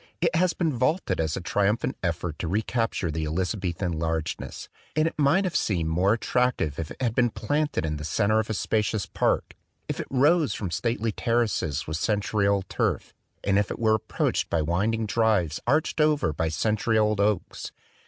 It has been vaunted as a triumphant effort to recapture the Eliza bethan largeness; and it might have seemed more attractive if it had been planted in the center of a spacious park, if it rose from stately terraces with century old turf, and if it were approached by winding drives arched over by century old oaks.